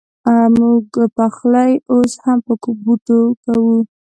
مونږ پخلی اوس هم په بوټو کوو